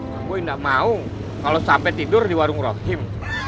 kamu nggak mau kalau sampai tidur di warung rohim